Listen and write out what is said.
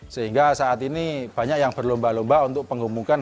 sehingga saat ini banyak yang berlomba lomba untuk pengumuman